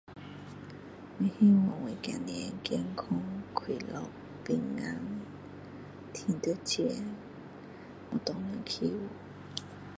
我希望我的孩子们健康快乐赚到钱不给人欺负